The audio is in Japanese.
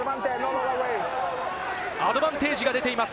アドバンテージが出ています。